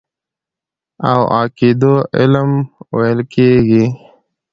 او عقيدو علم ويل کېږي.